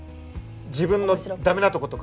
自分のだめなとことか。